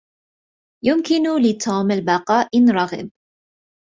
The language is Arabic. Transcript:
يمكن لتوم البقاء إن رغب.